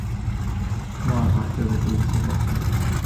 আমার হাটতে যেতে ইচ্ছে করছে না।